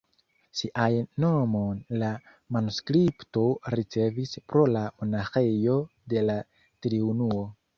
Sian nomon la manuskripto ricevis pro la monaĥejo de la Triunuo.